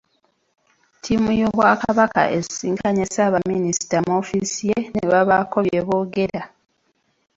Ttiimu y’Obwakabaka esisinkanye Ssaabaminisita mu ofiisi ye ne babaako bye boogera.